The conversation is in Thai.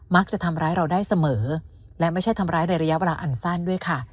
จะทำร้ายเราได้เสมอและไม่ใช่ทำร้ายในระยะเวลาอันสั้นด้วยค่ะ